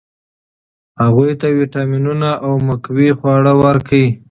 هغوی ته ویټامینونه او مقوي خواړه ورکړئ.